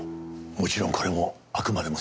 もちろんこれもあくまでも推測だ。